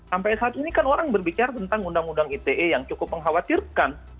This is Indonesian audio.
sampai saat ini kan orang berbicara tentang undang undang ite yang cukup mengkhawatirkan